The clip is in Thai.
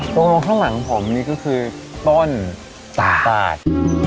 ตรงข้างหลังผมนี่ก็คือต้นสะตาด